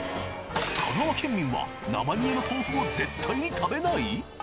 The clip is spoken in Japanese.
香川県民は生煮えの豆腐を絶対に食べない！？